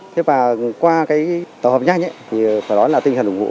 thế và qua cái tổ hợp nhanh thì phải nói là tinh thần ủng hộ